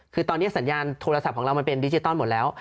คือตอนนี้สัญญาณโทรศัพท์ของเรามันเป็นดิจิตอลหมดแล้ว